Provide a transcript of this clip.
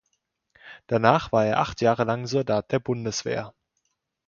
Danach war er acht Jahre lang Soldat der Bundeswehr.